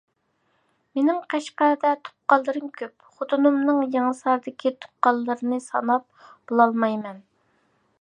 مېنىڭ قەشقەردە تۇغقانلىرىم كۆپ، خوتۇنۇمنىڭ يېڭىساردىكى تۇغقانلىرىنى ساناپ بولالمايمەن!